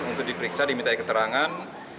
untuk diperiksa dimitai keterangan